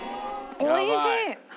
おいしい！